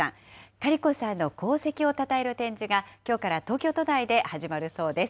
カリコさんの功績をたたえる展示が、きょうから東京都内で始まるそうです。